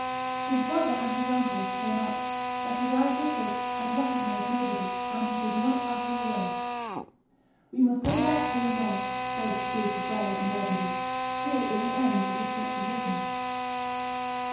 His brother and his uncles came up, but his eyes were fixed and recognized nobody, and he did not utter a word. 'We must go back to Le Mans,' said the Dukes of Berry and Burgundy: 'here is an end of the trip to Brittany.